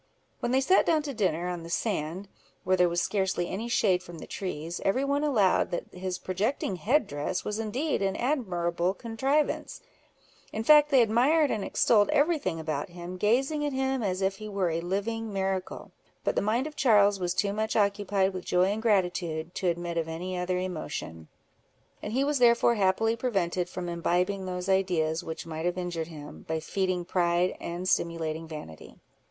When they sat down to dinner, on the sand, where there was scarcely any shade from the trees, every one allowed that his projecting head dress was indeed an admirable contrivance: in fact, they admired and extolled every thing about him, gazing at him as if he were a living miracle; but the mind of Charles was too much occupied with joy and gratitude, to admit of any other emotion; and he was therefore happily prevented from imbibing those ideas which might have injured him, by feeding pride, and stimulating vanity.